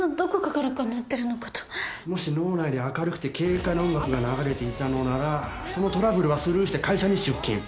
もし脳内で明るくて軽快な音楽が流れていたのならそのトラブルはスルーして会社に出勤。